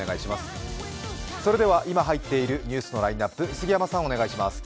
それでは、今入っているニュースのラインナップ、杉山さん、お願いします。